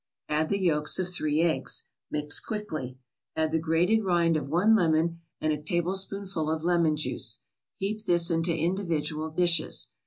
Add the yolks of three eggs. Mix quickly. Add the grated rind of one lemon and a tablespoonful of lemon juice. Heap this into individual dishes.